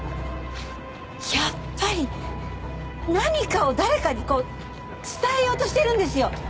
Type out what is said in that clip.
やっぱり何かを誰かにこう伝えようとしてるんですよ。